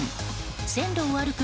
線路を歩く